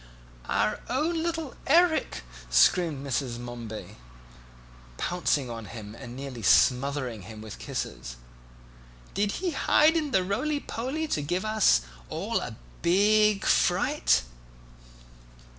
"Our own little Erik," screamed Mrs. Momeby, pouncing on him and nearly smothering him with kisses; "did he hide in the roly poly to give us all a big fright?"